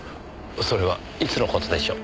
それはいつの事でしょう？